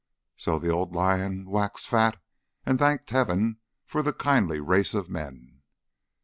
So the old lion waxed fat and thanked heaven for the kindly race of men.